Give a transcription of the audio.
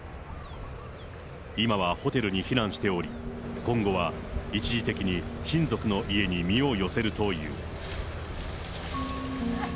今はホテルに避難しており、今後は一時的に親族の家に身を寄せるという。